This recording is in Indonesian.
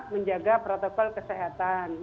menjaga protokol keseluruhan